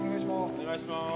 ・お願いします。